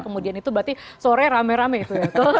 kemudian itu berarti sore rame rame itu ya